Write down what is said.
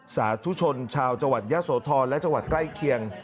สาธุชนชาวจังหวัดยะโสธรและจังหวัดใกล้เคียง